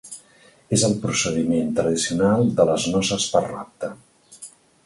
És el procediment tradicional de les noces per rapte.